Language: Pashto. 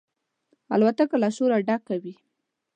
الوتکه له شوره ډکه وي.